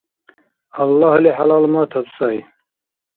- Аллагьли хӀялалматаб сай!